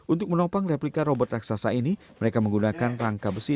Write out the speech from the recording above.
untuk menopang replika robot raksasa ini mereka menggunakan rangka besi